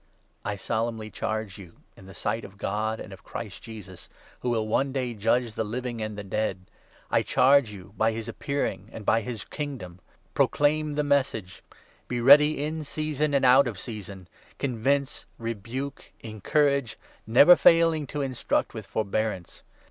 I solemnly charge you, in the sight of God and of Christ i t Jesus, who will one day judge the living and the dead — I charge you by his Appearing and by his Kingdom :— Proclaim 2 the Message, be ready in season and out of season, convince, rebuke, encourage, never failing to instruct with forbearance.